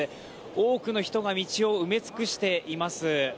多くの人が道を埋め尽くしています。